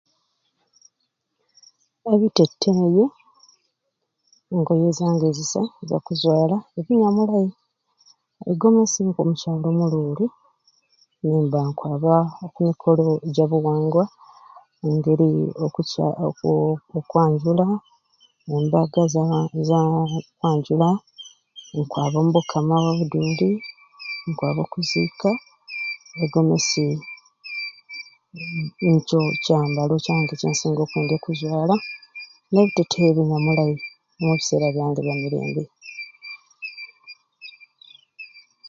Ebiteteyi ngoye zange zisai ezakuzwala ebinyamulai, e gomasi nko mukyala omululi nimba nkwaba oku mikolo eja buwangwa ngeri okukya oku okwanjula, embaga za kukya okwanjula, nkwaba ombukama bwa Buduuli, nkwaba okuzika e gomesi nikyo kyambalo kyange kyensinga okwendya okuzwala ne biteteyi ebinyamulai omu biseera byange ebya mirembe.